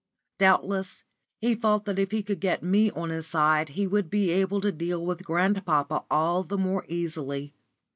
Doubtless he felt that if he could get me on his side he would be able to deal with grandpapa all the more easily.